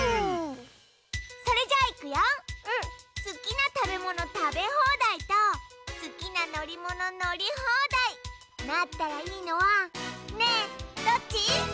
すきなたべものたべほうだいとすきなのりもののりほうだいなったらいいのはねえどっち？